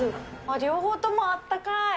両方ともあったかい。